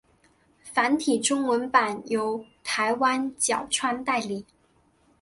繁体中文版由台湾角川代理。